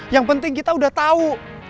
yang penting kita udah tahu